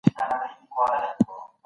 کیسې نړیوالو ته رسېږي.